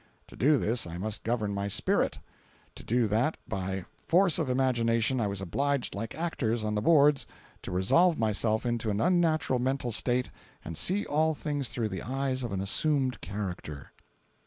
To do this, I must govern my spirit. To do that, by force of imagination I was obliged like actors on the boards to resolve myself into an unnatural mental state and see all things through the eyes of an assumed character.